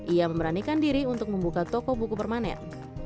ia memberanikan diri untuk membuka toko buku permanen